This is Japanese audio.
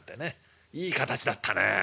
いい形だったね。